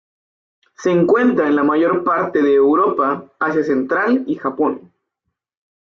Se encuentra en la mayor parte de Europa, Asia Central y Japón.